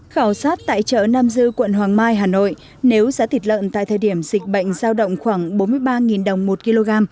khảo sát tại chợ nam dư quận hoàng mai hà nội nếu giá thịt lợn tại thời điểm dịch bệnh giao động khoảng bốn mươi ba đồng một kg